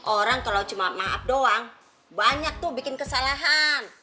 orang kalau cuma maaf doang banyak tuh bikin kesalahan